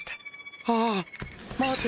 あっ待て！